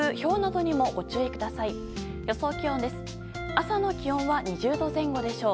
朝の気温は２０度前後でしょう。